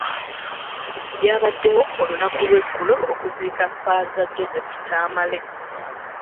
Byabaddewo olunaku lw'eggulo okuziika Ffaaza Joseph Tamale.